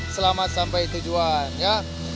selamat sampai tujuan ya